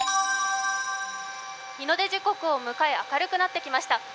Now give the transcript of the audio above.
日の出時刻を迎え、明るくなってきました。